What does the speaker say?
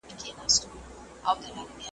هغه زیاته کړه چي علوم په څانګو وېشل کیږي.